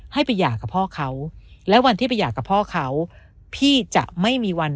ให้ไปหย่ากับพ่อเขาและวันที่ไปหย่ากับพ่อเขาพี่จะไม่มีวัน